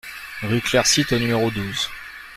Rue Clair Site au numéro douze